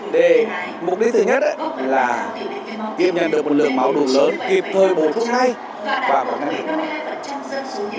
đề mục đích thứ nhất là kiếm nhận được một lượng máu đủ lớn kịp thời bổ thương ngay và bỏ ngang được